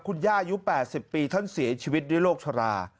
คุณย่าอายุ๘๐ปีท่านเสียชีวิตด้วยโรคชรา